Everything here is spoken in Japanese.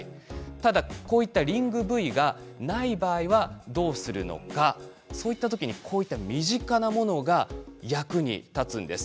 ただ、こういったリングブイがない場合はどうするのかそういった時に身近なものが役に立つんです。